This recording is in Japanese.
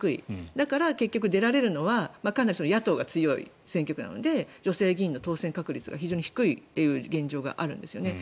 だから結局出られるのは関東は野党が強い選挙区なので女性議員の当選率が非常に低いという現状があるんですね。